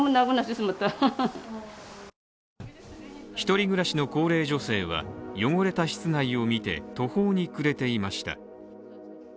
１人暮らしの高齢女性は汚れた室内を見て、途方に暮れていました。